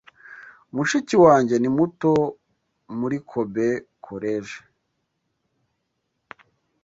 Mushiki wanjye ni muto muri Kobe College.